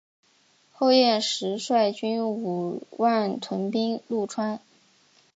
后燕时率军五万屯兵潞川。